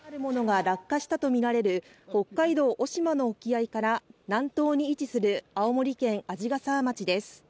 落下したとみられる北海道渡島の沖合から南東に位置する青森県鯵ヶ沢町です。